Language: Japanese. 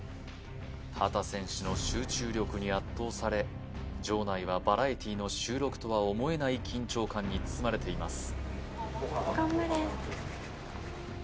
秦選手の集中力に圧倒され場内はバラエティの収録とは思えない緊張感に包まれています